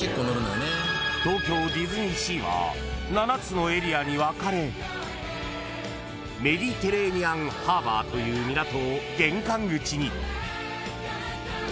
［東京ディズニーシーは７つのエリアに分かれメディテレーニアンハーバーという港を玄関口に］